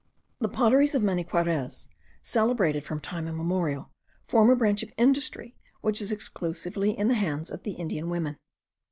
The potteries of Maniquarez, celebrated from time immemorial, form a branch of industry which is exclusively in the hands of the Indian women.